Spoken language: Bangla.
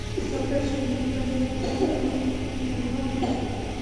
ত্বকের সঙ্গে মানিয়ে যায় এমন কোনো ভালো ময়েশ্চারাইজিং লোশন লাগাতে হবে।